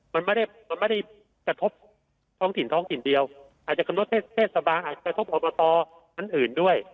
มันไม่ได้มันไม่ได้กระทบท้องถิ่นท้องถิ่นเดียวอาจจะกำหนดเทศบาลอาจจะกระทบอบตท่านอื่นด้วย